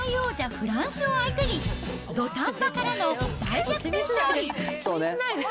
フランスを相手に、土壇場からの大逆転勝利。